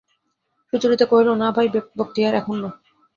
সুচরিতা কহিল, না ভাই বক্তিয়ার, এখন না।